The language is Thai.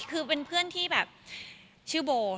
คือเป็นเพื่อนที่แบบชื่อโบ